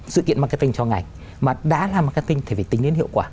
sự kiện marketing cho ngành mà đã là marketing thì phải tính đến hiệu quả